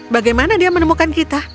bagaimana dia menemukan kita